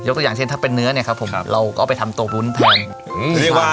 ตัวอย่างเช่นถ้าเป็นเนื้อเนี่ยครับผมเราก็เอาไปทำตัววุ้นแทน